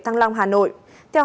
thăng long hà nội